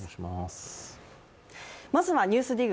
まずは「ＮＥＷＳＤＩＧ」